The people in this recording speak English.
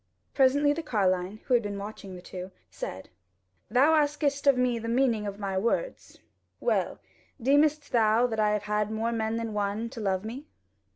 Presently the carline, who had been watching the two, said: "Thou askest of the meaning of my words; well, deemest thou that I have had more men than one to love me?"